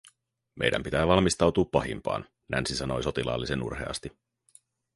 "Meidän pitää valmistautuu pahimpaa", Nancy sanoi sotilaallisen urheasti.